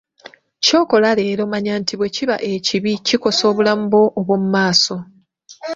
Ky’okola leero manya nti bwekiba ekibi kikosa obulamu bwo obwomu maaso.